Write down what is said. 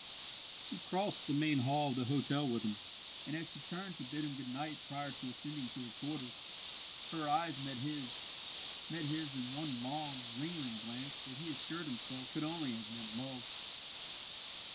She crossed the main hall of the hotel with him, and as she turned to bid him good night prior to ascending to her quarters, her eyes met his met his in one long, lingering glance that he assured himself could only have meant love.